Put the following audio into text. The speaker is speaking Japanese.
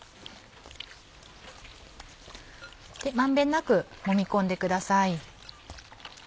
満遍なくもみ込んでください。